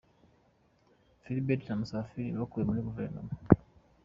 Philbert na Musafiri bakuwe muri Guverinoma.